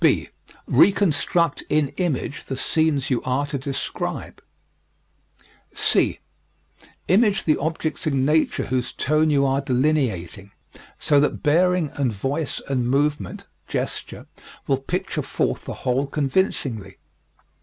(b) Reconstruct in image the scenes you are to describe. (c) Image the objects in nature whose tone you are delineating, so that bearing and voice and movement (gesture) will picture forth the whole convincingly.